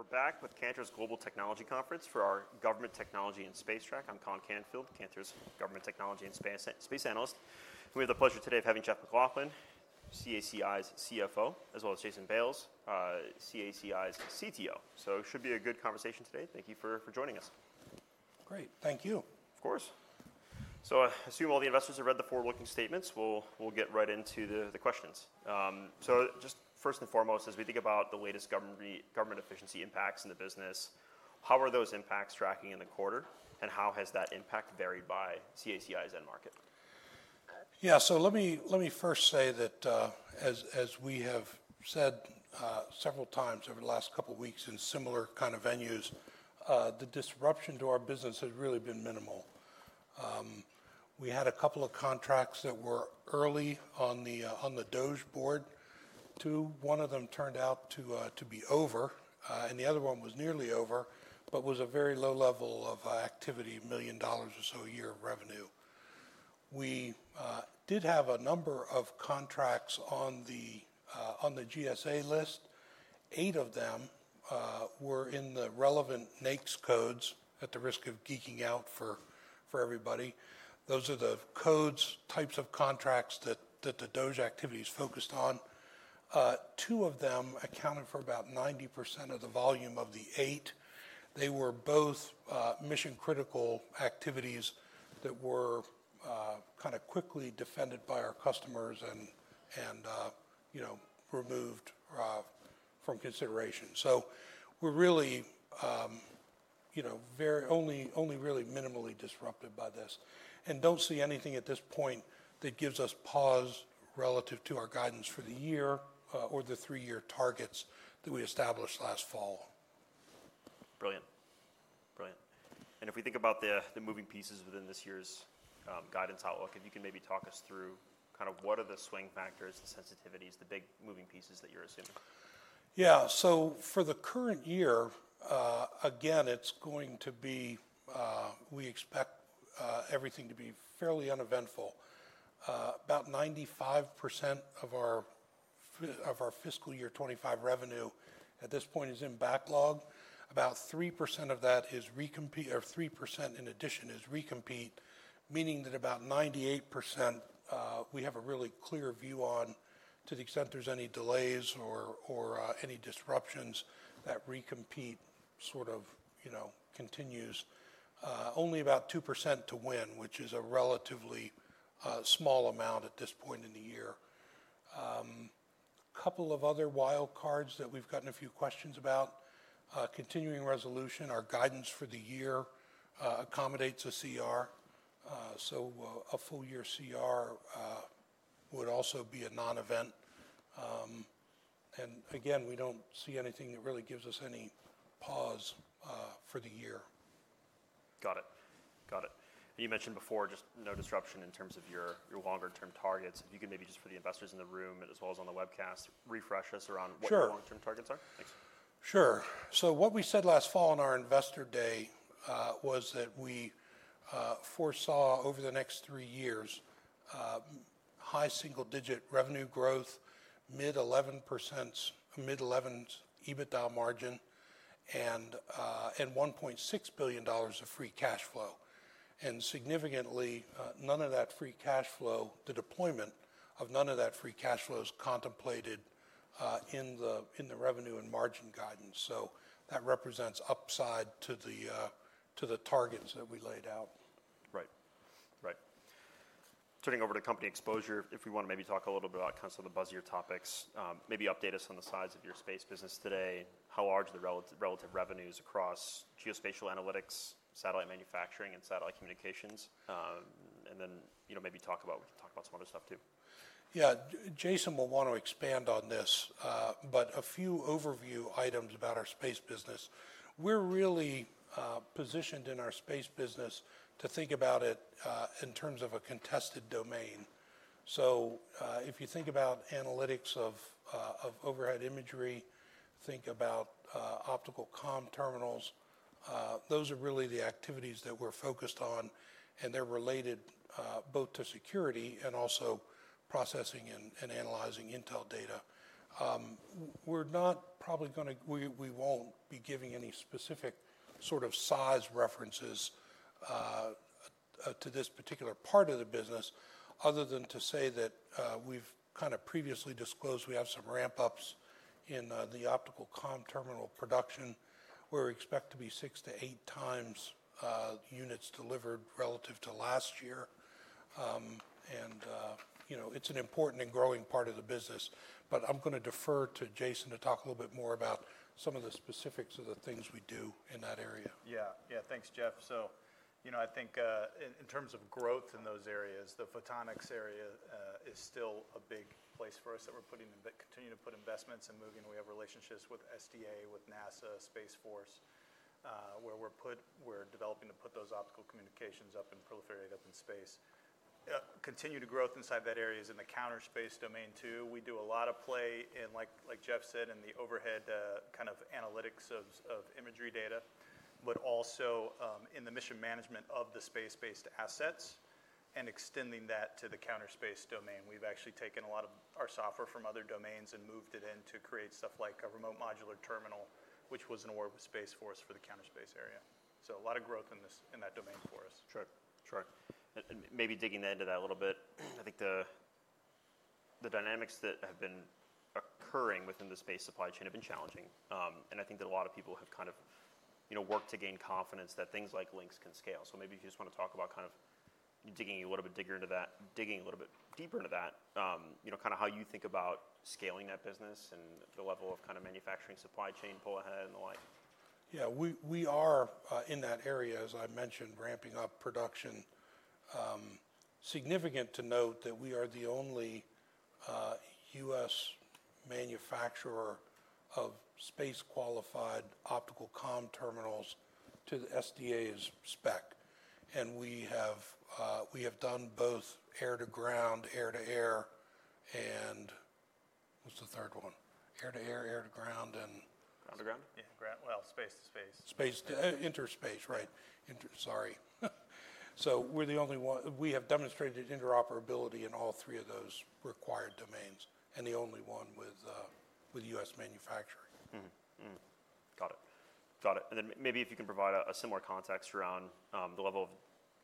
Right, we're back with Cantor's Global Technology Conference for our Government Technology and Space Track. I'm Colin Canfield, CANTOR's Government Technology and Space Analyst. We have the pleasure today of having Jeff MacLauchlan, CACI's CFO, as well as Jason Bales, CACI's CTO. It should be a good conversation today. Thank you for joining us. Great. Thank you. Of course. I assume all the investors have read the forward-looking statements. We'll get right into the questions. Just first and foremost, as we think about the latest government efficiency impacts in the business, how are those impacts tracking in the quarter, and how has that impact varied by CACI's end market? Yeah, let me first say that, as we have said several times over the last couple of weeks in similar kind of venues, the disruption to our business has really been minimal. We had a couple of contracts that were early on the DOGE board. Two, one of them turned out to be over, and the other one was nearly over, but was a very low level of activity, $1 million or so a year of revenue. We did have a number of contracts on the GSA list. Eight of them were in the relevant NAICS codes at the risk of geeking out for everybody. Those are the codes, types of contracts that the DOGE activities focused on. Two of them accounted for about 90% of the volume of the eight. They were both mission-critical activities that were kind of quickly defended by our customers and removed from consideration. We are really only really minimally disrupted by this and do not see anything at this point that gives us pause relative to our guidance for the year or the three-year targets that we established last fall. Brilliant. Brilliant. If we think about the moving pieces within this year's guidance outlook, if you can maybe talk us through kind of what are the swing factors, the sensitivities, the big moving pieces that you're assuming? Yeah, for the current year, again, it's going to be we expect everything to be fairly uneventful. About 95% of our fiscal year 2025 revenue at this point is in backlog. About 3% of that is recompete, or 3% in addition is recompete, meaning that about 98% we have a really clear view on to the extent there's any delays or any disruptions, that recompete sort of continues. Only about 2% to win, which is a relatively small amount at this point in the year. A couple of other wild cards that we've gotten a few questions about. Continuing resolution, our guidance for the year accommodates a CR. A full-year CR would also be a non-event. Again, we don't see anything that really gives us any pause for the year. Got it. Got it. You mentioned before, just no disruption in terms of your longer-term targets. If you could maybe just for the investors in the room as well as on the webcast, refresh us around what your long-term targets are. Sure. Thanks. Sure. What we said last fall on our investor day was that we foresaw over the next three years high single-digit revenue growth, mid-11% EBITDA margin, and $1.6 billion of free cash flow. Significantly, none of that free cash flow, the deployment of none of that free cash flow is contemplated in the revenue and margin guidance. That represents upside to the targets that we laid out. Right. Right. Turning over to company exposure, if we want to maybe talk a little bit about kind of some of the buzzier topics, maybe update us on the size of your space business today, how large are the relative revenues across geospatial analytics, satellite manufacturing, and satellite communications? Maybe talk about we can talk about some other stuff too. Yeah, Jason will want to expand on this, but a few overview items about our space business. We're really positioned in our space business to think about it in terms of a contested domain. If you think about analytics of overhead imagery, think about optical comm terminals, those are really the activities that we're focused on, and they're related both to security and also processing and analyzing Intel data. We're not probably going to we won't be giving any specific sort of size references to this particular part of the business other than to say that we've kind of previously disclosed we have some ramp-ups in the optical comm terminal production. We expect to be six to eight times units delivered relative to last year. It is an important and growing part of the business, but I am going to defer to Jason to talk a little bit more about some of the specifics of the things we do in that area. Yeah. Yeah, thanks, Jeff. I think in terms of growth in those areas, the photonics area is still a big place for us that we're putting in, continuing to put investments and moving. We have relationships with SDA, with NASA, Space Force, where we're developing to put those optical communications up and proliferate up in space. Continued growth inside that area is in the counterspace domain too. We do a lot of play in, like Jeff said, in the overhead kind of analytics of imagery data, but also in the mission management of the space-based assets and extending that to the counterspace domain. We've actually taken a lot of our software from other domains and moved it in to create stuff like a remote modular terminal, which was an award with Space Force for the counterspace area. A lot of growth in that domain for us. Sure. Sure. Maybe digging into that a little bit, I think the dynamics that have been occurring within the space supply chain have been challenging. I think that a lot of people have kind of worked to gain confidence that things like lynk can scale. Maybe if you just want to talk about kind of digging a little bit deeper into that, kind of how you think about scaling that business and the level of kind of manufacturing supply chain pull ahead and the like. Yeah, we are in that area, as I mentioned, ramping up production. Significant to note that we are the only U.S. manufacturer of space-qualified optical comm terminals to the SDA's spec. And we have done both air-to-ground, air-to-air, and what's the third one? Air-to-air, air-to-ground, and. Ground-to-ground? Yeah, well, space-to-space. Space-to-interspace, right. Sorry. We are the only one. We have demonstrated interoperability in all three of those required domains and the only one with U.S. manufacturing. Got it. Got it. Maybe if you can provide a similar context around the level of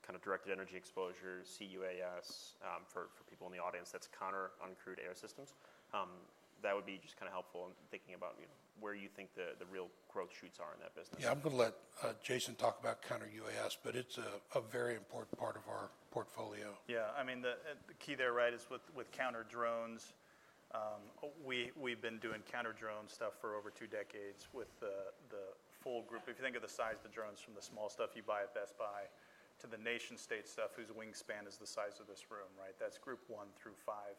kind of directed energy exposure, C-UAS for people in the audience, that's counter-uncrewed air systems—that would be just kind of helpful in thinking about where you think the real growth shoots are in that business. Yeah, I'm going to let Jason talk about counter-UAS, but it's a very important part of our portfolio. Yeah. I mean, the key there, right, is with counter-drones. We've been doing counter-drone stuff for over two decades with the full group. If you think of the size of the drones from the small stuff you buy at Best Buy to the nation-state stuff whose wingspan is the size of this room, right? That's group one through five.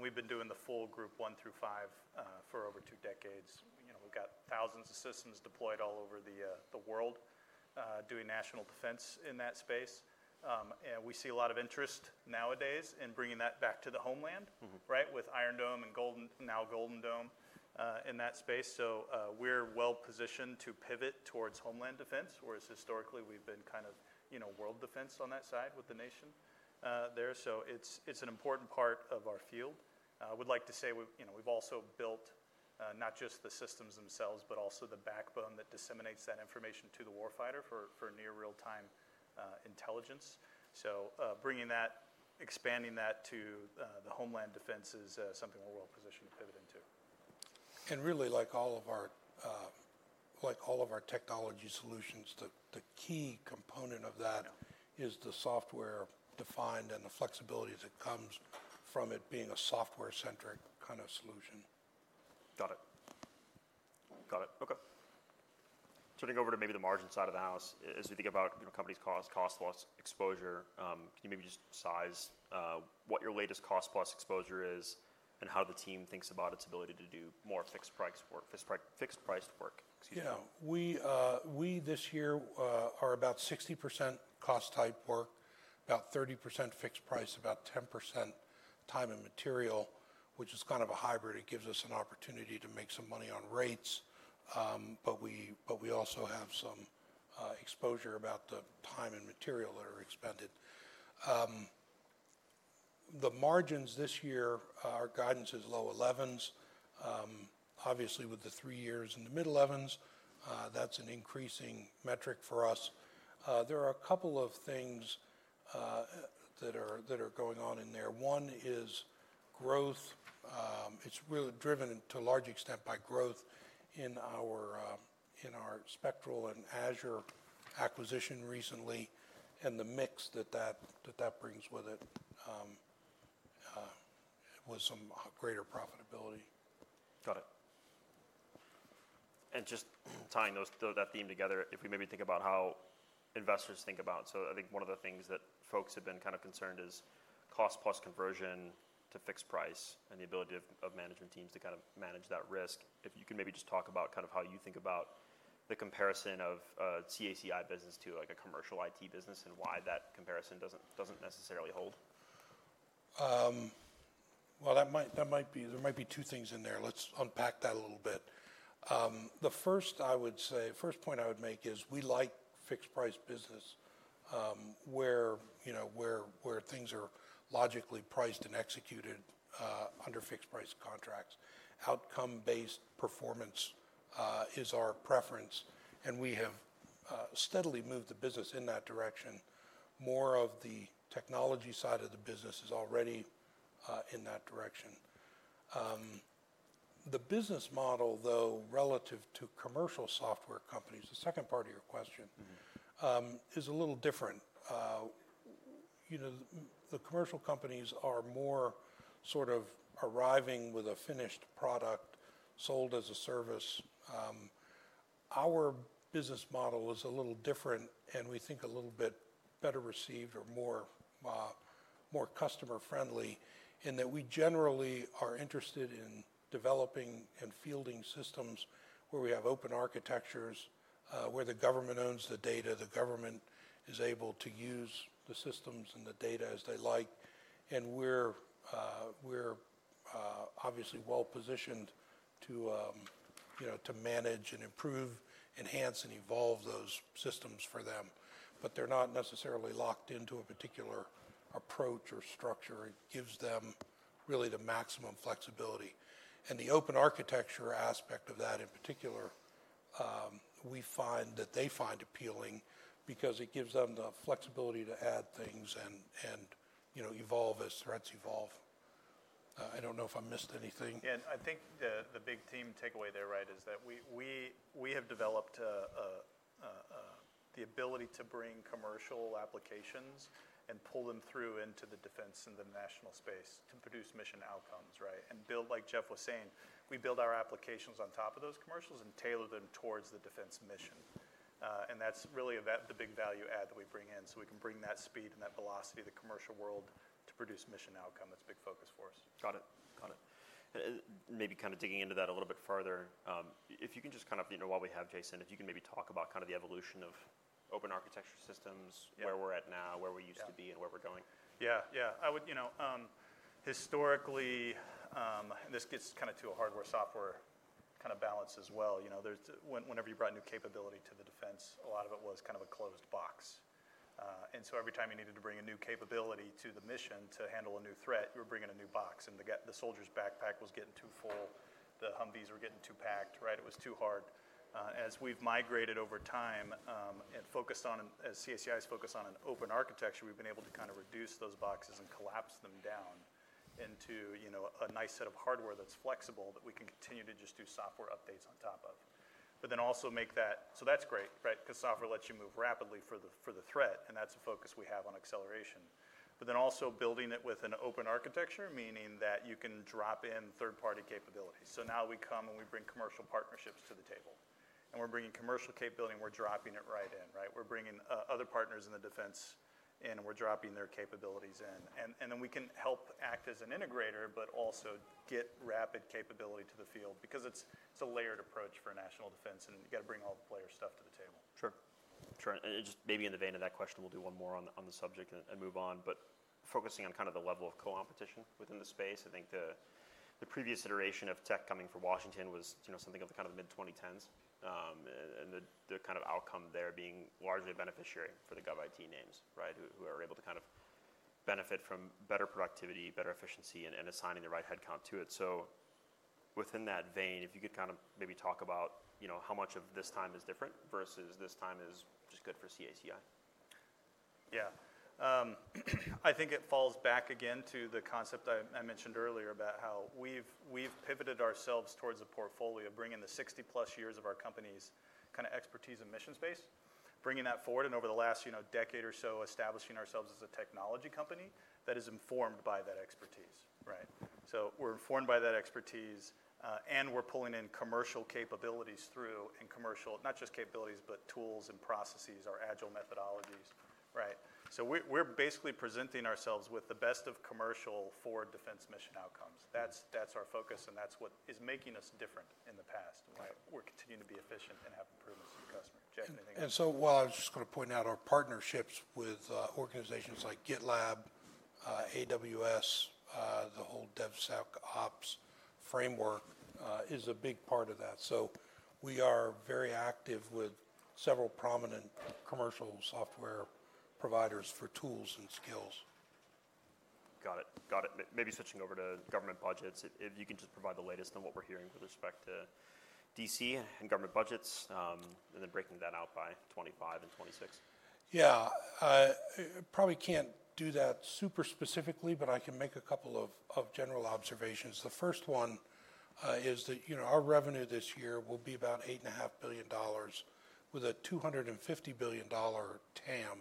We've been doing the full group one through five for over two decades. We've got thousands of systems deployed all over the world doing national defense in that space. We see a lot of interest nowadays in bringing that back to the homeland, right, with Iron Dome and now Golden Dome in that space. We are well-positioned to pivot towards homeland defense, whereas historically we've been kind of world defense on that side with the nation there. It's an important part of our field. I would like to say we've also built not just the systems themselves, but also the backbone that disseminates that information to the warfighter for near real-time intelligence. Bringing that, expanding that to the homeland defense is something we're well-positioned to pivot into. Like all of our technology solutions, the key component of that is the software defined and the flexibility that comes from it being a software-centric kind of solution. Got it. Got it. Okay. Turning over to maybe the margin side of the house, as we think about companies' cost, cost-plus exposure, can you maybe just size what your latest cost-plus exposure is and how the team thinks about its ability to do more fixed-price work? Yeah. We this year are about 60% cost-type work, about 30% fixed-price, about 10% time and material, which is kind of a hybrid. It gives us an opportunity to make some money on rates, but we also have some exposure about the time and material that are expended. The margins this year, our guidance is low 11s. Obviously, with the three years and the mid-11s, that's an increasing metric for us. There are a couple of things that are going on in there. One is growth. It's really driven to a large extent by growth in our spectral and Azure acquisition recently and the mix that that brings with it with some greater profitability. Got it. Just tying that theme together, if we maybe think about how investors think about, I think one of the things that folks have been kind of concerned is cost-plus conversion to fixed price and the ability of management teams to kind of manage that risk. If you can maybe just talk about kind of how you think about the comparison of CACI business to a commercial IT business and why that comparison doesn't necessarily hold. There might be two things in there. Let's unpack that a little bit. The first I would say, first point I would make is we like fixed-price business where things are logically priced and executed under fixed-price contracts. Outcome-based performance is our preference, and we have steadily moved the business in that direction. More of the technology side of the business is already in that direction. The business model, though, relative to commercial software companies, the second part of your question is a little different. The commercial companies are more sort of arriving with a finished product sold as a service. Our business model is a little different and we think a little bit better received or more customer-friendly in that we generally are interested in developing and fielding systems where we have open architectures, where the government owns the data, the government is able to use the systems and the data as they like. We are obviously well-positioned to manage and improve, enhance, and evolve those systems for them, but they are not necessarily locked into a particular approach or structure. It gives them really the maximum flexibility. The open architecture aspect of that in particular, we find that they find appealing because it gives them the flexibility to add things and evolve as threats evolve. I do not know if I missed anything. Yeah, and I think the big team takeaway there, right, is that we have developed the ability to bring commercial applications and pull them through into the defense and the national space to produce mission outcomes, right? Like Jeff was saying, we build our applications on top of those commercials and tailor them towards the defense mission. That is really the big value add that we bring in so we can bring that speed and that velocity of the commercial world to produce mission outcome. That is a big focus for us. Got it. Got it. Maybe kind of digging into that a little bit further, if you can just kind of while we have Jason, if you can maybe talk about kind of the evolution of open architecture systems, where we're at now, where we used to be, and where we're going. Yeah. Yeah. I would historically, and this gets kind of to a hardware-software kind of balance as well, whenever you brought new capability to the defense, a lot of it was kind of a closed box. Every time you needed to bring a new capability to the mission to handle a new threat, you were bringing a new box. The soldier's backpack was getting too full. The Humvees were getting too packed, right? It was too hard. As we've migrated over time and focused on, as CACI has focused on an open architecture, we've been able to kind of reduce those boxes and collapse them down into a nice set of hardware that's flexible that we can continue to just do software updates on top of. Also make that so that's great, right? Because software lets you move rapidly for the threat, and that's a focus we have on acceleration. Also, building it with an open architecture, meaning that you can drop in third-party capabilities. Now we come and we bring commercial partnerships to the table. We're bringing commercial capability and we're dropping it right in, right? We're bringing other partners in the defense in and we're dropping their capabilities in. We can help act as an integrator, but also get rapid capability to the field because it's a layered approach for national defense and you got to bring all the player stuff to the table. Sure. Sure. And just maybe in the vein of that question, we'll do one more on the subject and move on, but focusing on kind of the level of co-opetition within the space. I think the previous iteration of tech coming from Washington was something of the kind of mid-2010s and the kind of outcome there being largely beneficiary for the GovIT names, right, who are able to kind of benefit from better productivity, better efficiency, and assigning the right headcount to it. So within that vein, if you could kind of maybe talk about how much of this time is different versus this time is just good for CACI. Yeah. I think it falls back again to the concept I mentioned earlier about how we've pivoted ourselves towards a portfolio of bringing the 60-plus years of our company's kind of expertise in mission space, bringing that forward, and over the last decade or so, establishing ourselves as a technology company that is informed by that expertise, right? We're informed by that expertise and we're pulling in commercial capabilities through, and commercial, not just capabilities, but tools and processes, our agile methodologies, right? We're basically presenting ourselves with the best of commercial for defense mission outcomes. That's our focus and that's what is making us different in the past. We're continuing to be efficient and have improvements to the customer. Jack, anything else? I was just going to point out our partnerships with organizations like GitLab, AWS, the whole DevSecOps framework is a big part of that. We are very active with several prominent commercial software providers for tools and skills. Got it. Got it. Maybe switching over to government budgets, if you can just provide the latest on what we're hearing with respect to DC and government budgets, and then breaking that out by 2025 and 2026. Yeah. I probably can't do that super specifically, but I can make a couple of general observations. The first one is that our revenue this year will be about $8.5 billion with a $250 billion TAM,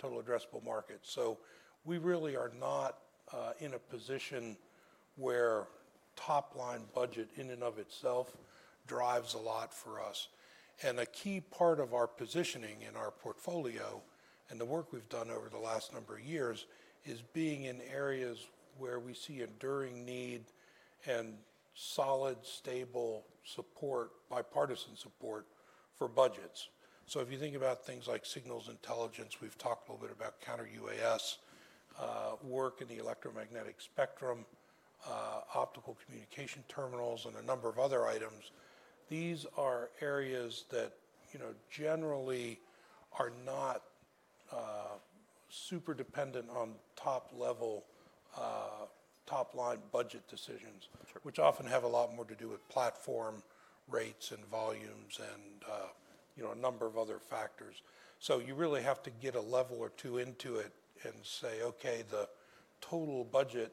total addressable market. We really are not in a position where top-line budget in and of itself drives a lot for us. A key part of our positioning in our portfolio and the work we've done over the last number of years is being in areas where we see enduring need and solid, stable support, bipartisan support for budgets. If you think about things like signals intelligence, we've talked a little bit about counter-UAS work in the electromagnetic spectrum, optical communication terminals, and a number of other items. These are areas that generally are not super dependent on top-level, top-line budget decisions, which often have a lot more to do with platform rates and volumes and a number of other factors. You really have to get a level or two into it and say, "Okay, the total budget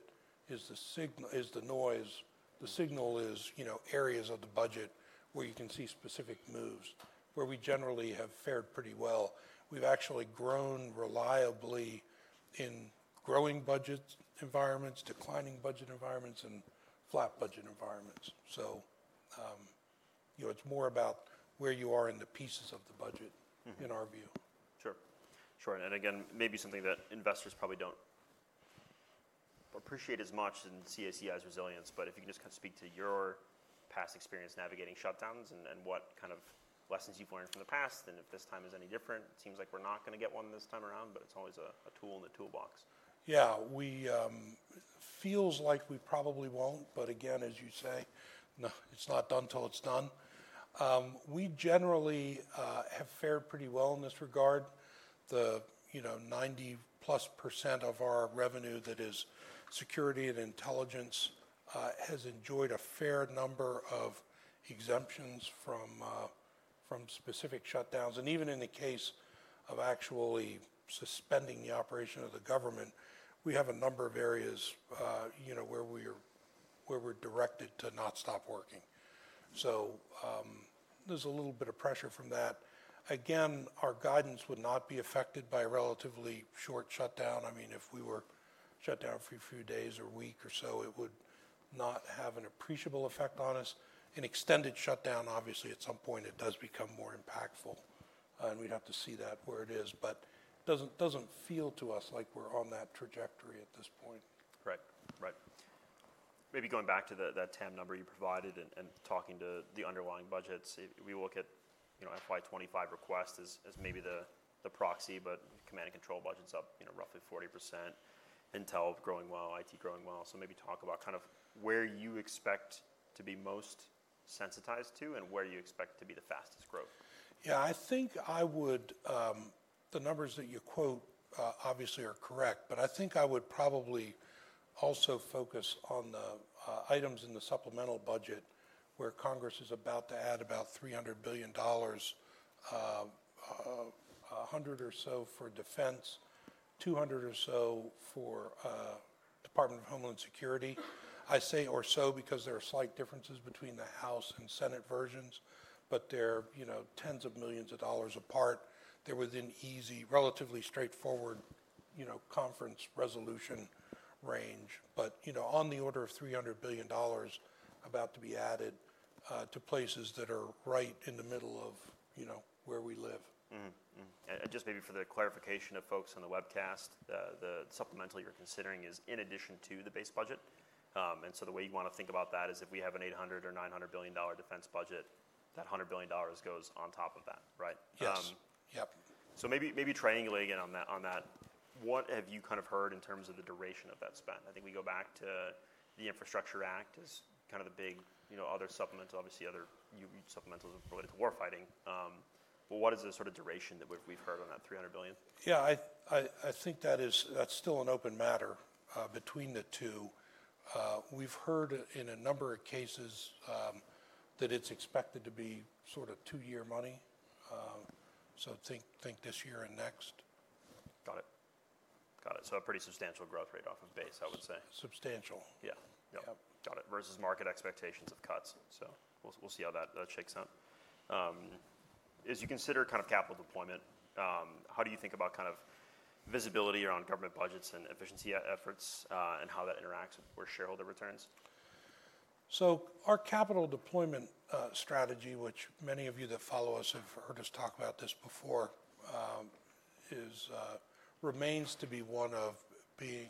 is the noise. The signal is areas of the budget where you can see specific moves," where we generally have fared pretty well. We've actually grown reliably in growing budget environments, declining budget environments, and flat budget environments. It is more about where you are in the pieces of the budget in our view. Sure. Sure. Maybe something that investors probably do not appreciate as much in CACI's resilience, but if you can just kind of speak to your past experience navigating shutdowns and what kind of lessons you have learned from the past, and if this time is any different, it seems like we are not going to get one this time around, but it is always a tool in the toolbox. Yeah. It feels like we probably won't, but again, as you say, it's not done till it's done. We generally have fared pretty well in this regard. The 90+% of our revenue that is security and intelligence has enjoyed a fair number of exemptions from specific shutdowns. Even in the case of actually suspending the operation of the government, we have a number of areas where we're directed to not stop working. There's a little bit of pressure from that. Again, our guidance would not be affected by a relatively short shutdown. I mean, if we were shut down for a few days or a week or so, it would not have an appreciable effect on us. An extended shutdown, obviously, at some point, it does become more impactful, and we'd have to see that where it is. It does not feel to us like we are on that trajectory at this point. Right. Right. Maybe going back to that TAM number you provided and talking to the underlying budgets, we will get FY2025 requests as maybe the proxy, but command and control budgets up roughly 40%, Intel growing well, IT growing well. Maybe talk about kind of where you expect to be most sensitized to and where you expect to be the fastest growth. Yeah. I think I would, the numbers that you quote obviously are correct, but I think I would probably also focus on the items in the supplemental budget where Congress is about to add about $300 billion, $100 billion or so for defense, $200 billion or so for Department of Homeland Security. I say or so because there are slight differences between the House and Senate versions, but they're tens of millions of dollars apart. They're within easy, relatively straightforward conference resolution range, but on the order of $300 billion about to be added to places that are right in the middle of where we live. Just maybe for the clarification of folks on the webcast, the supplemental you're considering is in addition to the base budget. The way you want to think about that is if we have an $800 billion or $900 billion defense budget, that $100 billion goes on top of that, right? Yes. Yep. Maybe triangulating on that, what have you kind of heard in terms of the duration of that spend? I think we go back to the Infrastructure Act as kind of the big other supplemental, obviously other supplementals related to war fighting. What is the sort of duration that we've heard on that $300 billion? Yeah. I think that's still an open matter between the two. We've heard in a number of cases that it's expected to be sort of two-year money, so think this year and next. Got it. Got it. A pretty substantial growth rate off of base, I would say. Substantial. Yeah. Got it. Versus market expectations of cuts. We'll see how that shakes out. As you consider kind of capital deployment, how do you think about kind of visibility around government budgets and efficiency efforts and how that interacts with shareholder returns? Our capital deployment strategy, which many of you that follow us have heard us talk about before, remains to be one of being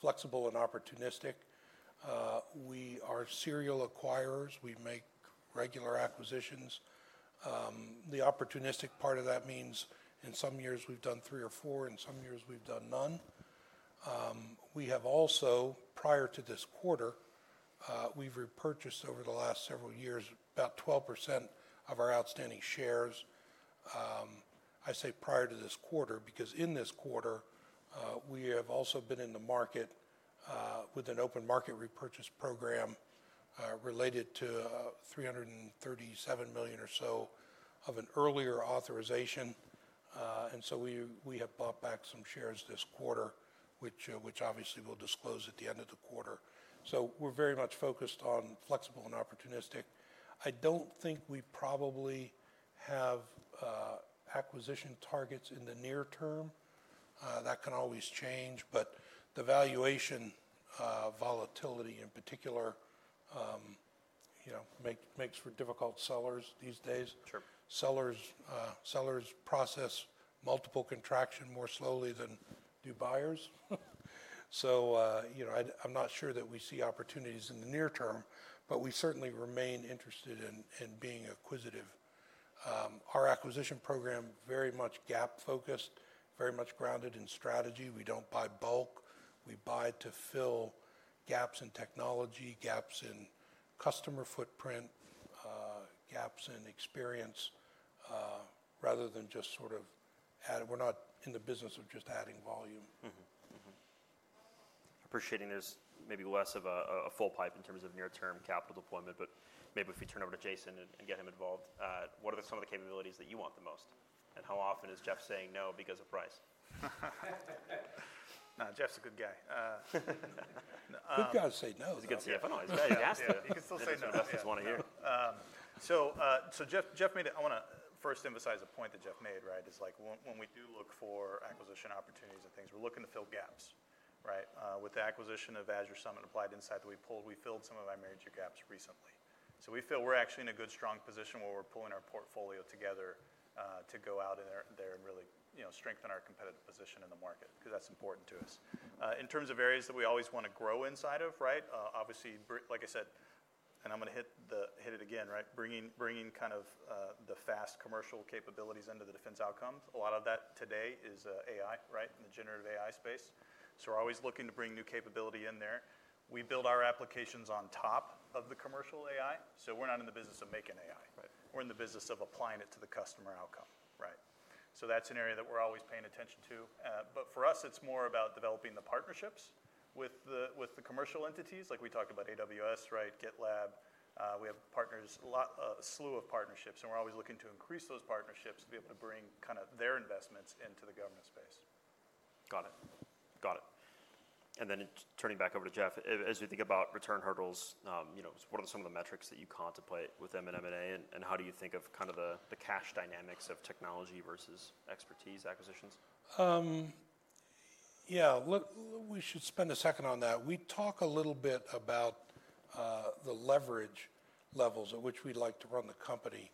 flexible and opportunistic. We are serial acquirers. We make regular acquisitions. The opportunistic part of that means in some years we've done three or four, in some years we've done none. We have also, prior to this quarter, repurchased over the last several years about 12% of our outstanding shares. I say prior to this quarter because in this quarter, we have also been in the market with an open market repurchase program related to $337 million or so of an earlier authorization. We have bought back some shares this quarter, which obviously we'll disclose at the end of the quarter. We're very much focused on flexible and opportunistic. I don't think we probably have acquisition targets in the near term. That can always change, but the valuation volatility in particular makes for difficult sellers these days. Sellers process multiple contractions more slowly than do buyers. I'm not sure that we see opportunities in the near term, but we certainly remain interested in being acquisitive. Our acquisition program is very much gap-focused, very much grounded in strategy. We don't buy bulk. We buy to fill gaps in technology, gaps in customer footprint, gaps in experience rather than just sort of adding. We're not in the business of just adding volume. Appreciating there's maybe less of a full pipe in terms of near-term capital deployment, but maybe if we turn over to Jason and get him involved, what are some of the capabilities that you want the most? How often is Jeff saying no because of price? Jeff's a good guy. Good guy to say no. He's a good CFO. He could still say no. That's what he wanted to hear. Jeff made, I want to first emphasize a point that Jeff made, right? It's like when we do look for acquisition opportunities and things, we're looking to fill gaps, right? With the acquisition of Azure Summit, Applied Insight that we pulled, we filled some of our major gaps recently. We feel we're actually in a good, strong position where we're pulling our portfolio together to go out there and really strengthen our competitive position in the market because that's important to us. In terms of areas that we always want to grow inside of, right? Obviously, like I said, and I'm going to hit it again, right? Bringing kind of the fast commercial capabilities into the defense outcomes. A lot of that today is AI, right? In the generative AI space. We're always looking to bring new capability in there. We build our applications on top of the commercial AI. We're not in the business of making AI. We're in the business of applying it to the customer outcome, right? That's an area that we're always paying attention to. For us, it's more about developing the partnerships with the commercial entities. Like we talked about AWS, right? GitLab. We have partners, a slew of partnerships, and we're always looking to increase those partnerships to be able to bring kind of their investments into the government space. Got it. Got it. Turning back over to Jeff, as we think about return hurdles, what are some of the metrics that you contemplate with M&A, and how do you think of kind of the cash dynamics of technology versus expertise acquisitions? Yeah. We should spend a second on that. We talk a little bit about the leverage levels at which we'd like to run the company.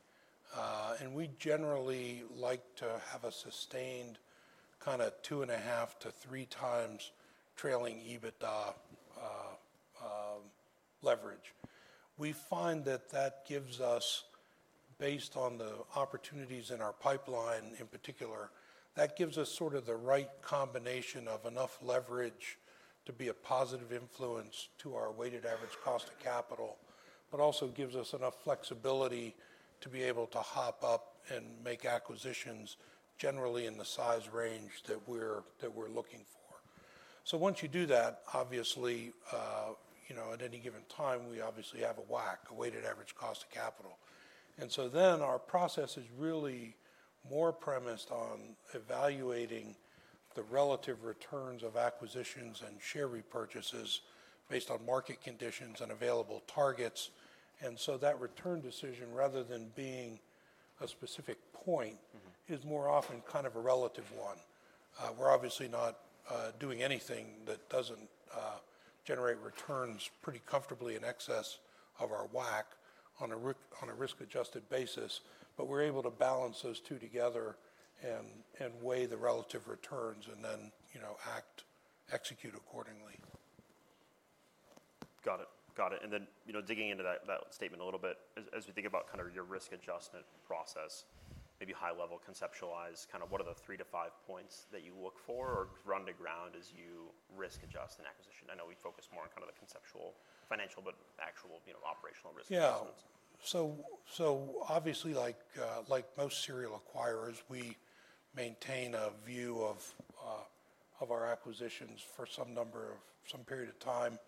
We generally like to have a sustained kind of two and a half to three times trailing EBITDA leverage. We find that that gives us, based on the opportunities in our pipeline in particular, that gives us sort of the right combination of enough leverage to be a positive influence to our weighted average cost of capital, but also gives us enough flexibility to be able to hop up and make acquisitions generally in the size range that we're looking for. Once you do that, obviously, at any given time, we obviously have a WACC, a weighted average cost of capital. Our process is really more premised on evaluating the relative returns of acquisitions and share repurchases based on market conditions and available targets. That return decision, rather than being a specific point, is more often kind of a relative one. We're obviously not doing anything that doesn't generate returns pretty comfortably in excess of our WACC on a risk-adjusted basis, but we're able to balance those two together and weigh the relative returns and then act, execute accordingly. Got it. Got it. Digging into that statement a little bit, as we think about kind of your risk adjustment process, maybe high-level conceptualize, kind of what are the three to five points that you look for or run to ground as you risk adjust an acquisition? I know we focus more on kind of the conceptual financial, but actual operational risk adjustments. Yeah. Obviously, like most serial acquirers, we maintain a view of our acquisitions for some number of some period of time.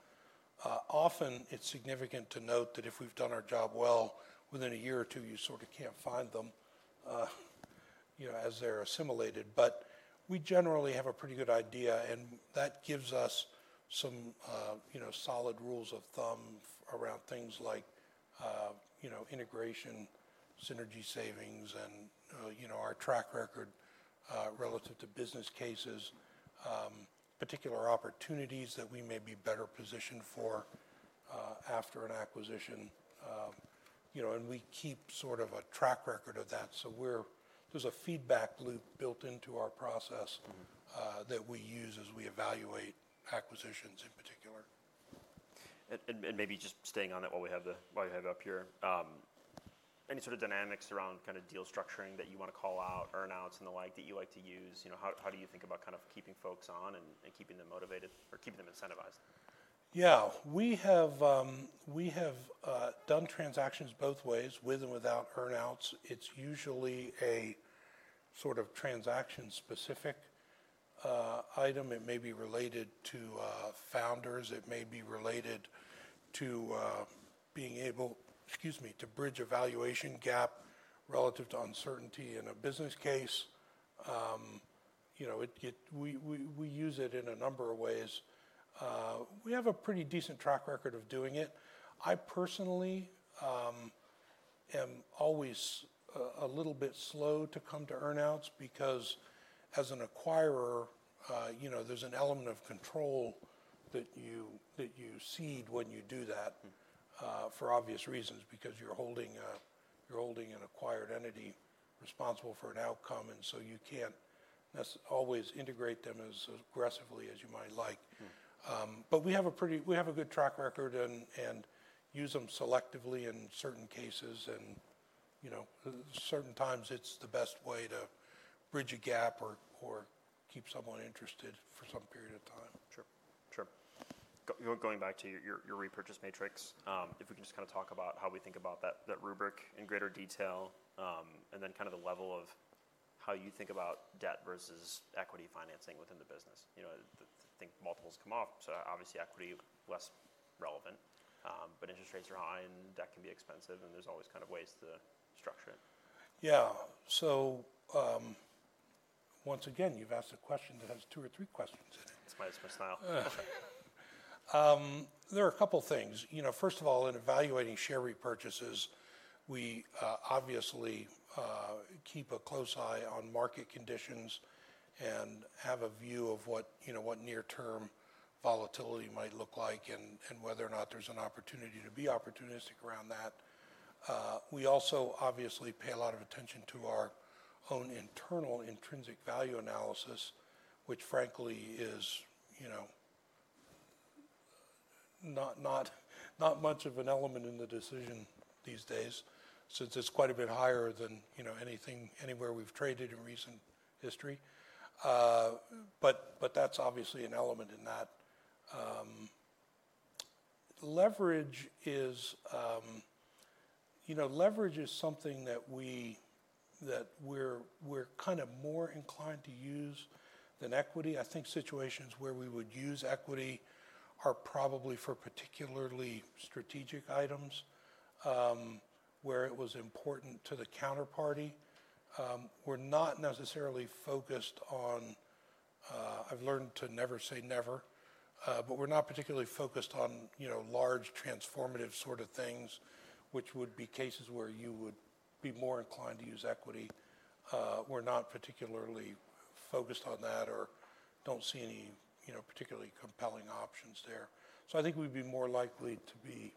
Often, it's significant to note that if we've done our job well, within a year or two, you sort of can't find them as they're assimilated. We generally have a pretty good idea, and that gives us some solid rules of thumb around things like integration, synergy savings, and our track record relative to business cases, particular opportunities that we may be better positioned for after an acquisition. We keep sort of a track record of that. There's a feedback loop built into our process that we use as we evaluate acquisitions in particular. Maybe just staying on it while we have you up here, any sort of dynamics around kind of deal structuring that you want to call out, earnouts and the like that you like to use? How do you think about kind of keeping folks on and keeping them motivated or keeping them incentivized? Yeah. We have done transactions both ways, with and without earnouts. It's usually a sort of transaction-specific item. It may be related to founders. It may be related to being able, excuse me, to bridge a valuation gap relative to uncertainty in a business case. We use it in a number of ways. We have a pretty decent track record of doing it. I personally am always a little bit slow to come to earnouts because as an acquirer, there's an element of control that you cede when you do that for obvious reasons because you're holding an acquired entity responsible for an outcome, and you can't always integrate them as aggressively as you might like. We have a good track record and use them selectively in certain cases. Certain times, it's the best way to bridge a gap or keep someone interested for some period of time. Sure. Sure. Going back to your repurchase matrix, if we can just kind of talk about how we think about that rubric in greater detail and then kind of the level of how you think about debt versus equity financing within the business. I think multiples come off. Obviously, equity is less relevant, but interest rates are high and debt can be expensive, and there are always kind of ways to structure it. Yeah. Once again, you've asked a question that has two or three questions in it. It's my style. There are a couple of things. First of all, in evaluating share repurchases, we obviously keep a close eye on market conditions and have a view of what near-term volatility might look like and whether or not there's an opportunity to be opportunistic around that. We also obviously pay a lot of attention to our own internal intrinsic value analysis, which frankly is not much of an element in the decision these days since it's quite a bit higher than anything anywhere we've traded in recent history. That's obviously an element in that. Leverage is something that we're kind of more inclined to use than equity. I think situations where we would use equity are probably for particularly strategic items where it was important to the counterparty. We're not necessarily focused on, I've learned to never say never, but we're not particularly focused on large transformative sort of things, which would be cases where you would be more inclined to use equity. We're not particularly focused on that or don't see any particularly compelling options there. I think we'd be more likely to be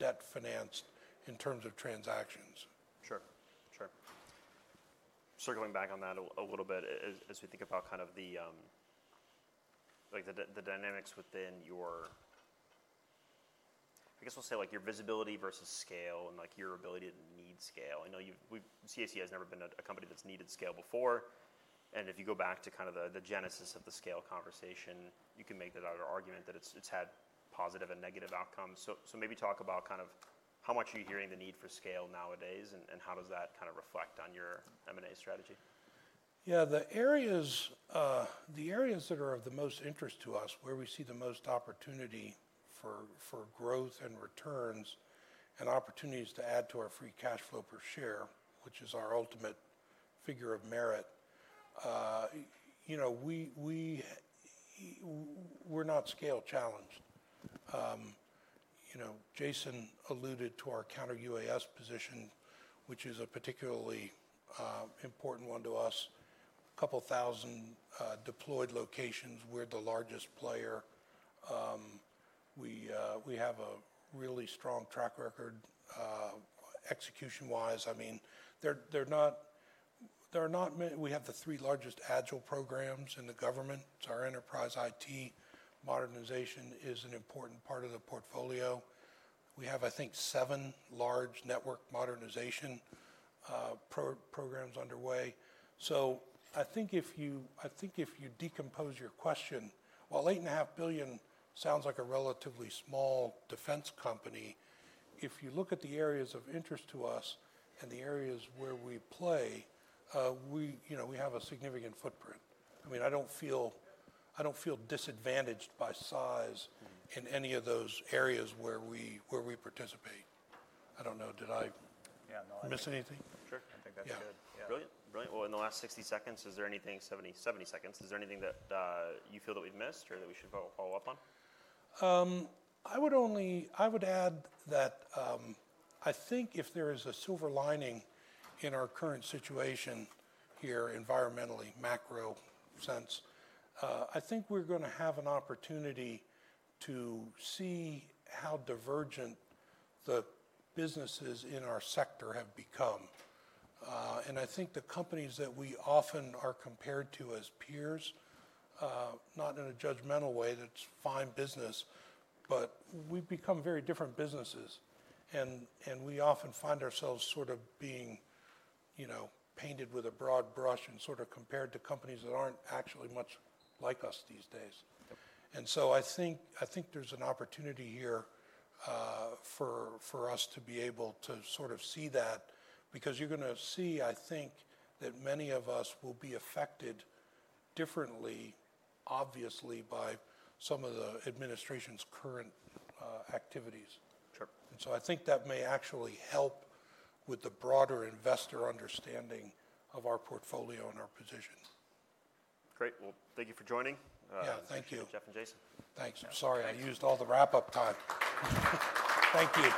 debt-financed in terms of transactions. Sure. Sure. Circling back on that a little bit, as we think about kind of the dynamics within your, I guess we'll say like your visibility versus scale and your ability to need scale. I know CACI has never been a company that's needed scale before. If you go back to kind of the genesis of the scale conversation, you can make that argument that it's had positive and negative outcomes. Maybe talk about kind of how much are you hearing the need for scale nowadays and how does that kind of reflect on your M&A strategy? Yeah. The areas that are of the most interest to us, where we see the most opportunity for growth and returns and opportunities to add to our free cash flow per share, which is our ultimate figure of merit, we're not scale challenged. Jason alluded to our counter-UAS position, which is a particularly important one to us. A couple thousand deployed locations. We're the largest player. We have a really strong track record execution-wise. I mean, we have the three largest Agile programs in the government. It's our enterprise IT. Modernization is an important part of the portfolio. We have, I think, seven large network modernization programs underway. I think if you decompose your question, $8.5 billion sounds like a relatively small defense company. If you look at the areas of interest to us and the areas where we play, we have a significant footprint. I mean, I don't feel disadvantaged by size in any of those areas where we participate. I don't know. Did I miss anything? Sure. I think that's good. Yeah. Brilliant. Brilliant. In the last 60 seconds, is there anything, 70 seconds, is there anything that you feel that we've missed or that we should follow up on? I would add that I think if there is a silver lining in our current situation here, environmentally, macro sense, I think we're going to have an opportunity to see how divergent the businesses in our sector have become. I think the companies that we often are compared to as peers, not in a judgmental way, that's fine business, but we've become very different businesses. We often find ourselves sort of being painted with a broad brush and sort of compared to companies that aren't actually much like us these days. I think there's an opportunity here for us to be able to sort of see that because you're going to see, I think, that many of us will be affected differently, obviously, by some of the administration's current activities. I think that may actually help with the broader investor understanding of our portfolio and our position. Great. Thank you for joining. Yeah. Thank you. Jeff and Jason. Thanks. Sorry, I used all the wrap-up time. Thank you.